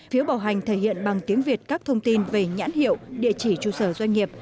phiếu bảo hành thể hiện bằng tiếng việt các thông tin về nhãn hiệu địa chỉ trụ sở doanh nghiệp